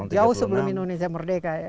jauh sebelum indonesia merdeka ya